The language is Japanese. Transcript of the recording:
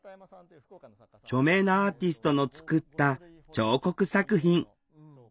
著名なアーティストの作った彫刻作品。